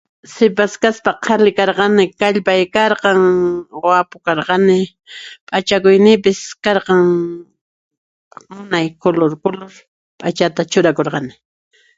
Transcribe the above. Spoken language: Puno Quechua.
Sipas kaspa qhali karqani kallpay karqan wapu karqani, p'achakuynipis karqan munay kulur kulur p'achata churakurqani.